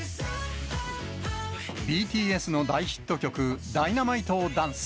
ＢＴＳの大ヒット曲、Ｄｙｎａｍｉｔｅをダンス。